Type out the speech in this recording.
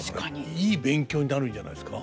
いい勉強になるんじゃないですか。